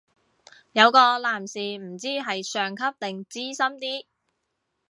有個男士唔知係上級定資深啲